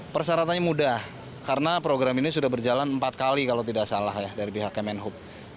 persyaratannya mudah karena program ini sudah berjalan empat kali kalau tidak salah ya dari pihak kemenhub